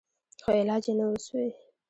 خو علاج يې نه و سوى.